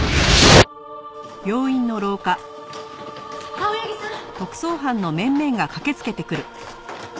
青柳さん！